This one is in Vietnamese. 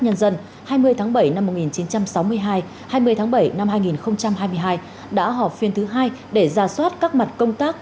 nhân dân hai mươi tháng bảy năm một nghìn chín trăm sáu mươi hai hai mươi tháng bảy năm hai nghìn hai mươi hai đã họp phiên thứ hai để ra soát các mặt công tác